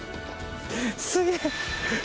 すげえ。